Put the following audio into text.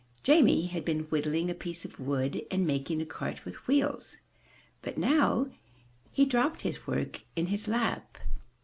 Jamie had been whittling a piece of wood, and making a cart with wheels, but now he dropped his 151 MY BOOK HOUSE work in his lap.